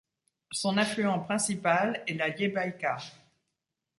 Son affluent principal est la Liebajka.